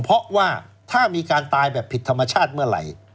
เพราะว่าถ้ามีการตายแบบผิดธรรมชาติเมื่อไหร่